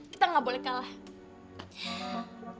kita nggak boleh kalah